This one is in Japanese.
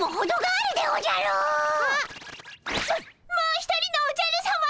あももう一人のおじゃるさま！